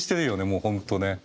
もう本当ね。